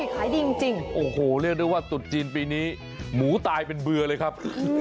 ขายดีจริงโอ้โหเรียกได้ว่าตุดจีนปีนี้หมูตายเป็นเบื่อเลยครับ